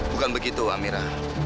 bukan begitu amira